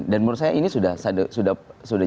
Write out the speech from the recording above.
dan menurut saya ini sudah